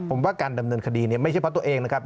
ผมว่าการดำเนินคดีเนี่ยไม่ใช่เพราะตัวเองนะครับ